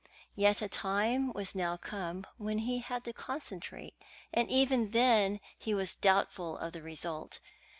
Yet a time was now come when he had to concentrate, and even then he was doubtful of the result.